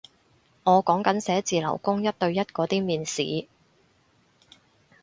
我講緊寫字樓工一對一嗰啲面試